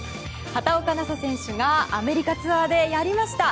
畑岡奈紗選手がアメリカツアーでやりました。